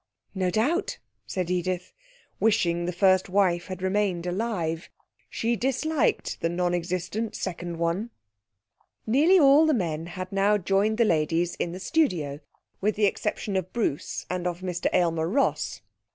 'No doubt,' said Edith, wishing the first wife had remained alive. She disliked the non existent second one. Nearly all the men had now joined the ladies in the studio, with the exception of Bruce and of Aylmer Ross.